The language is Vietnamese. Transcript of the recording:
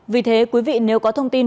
vì thế quý vị nếu có thông tin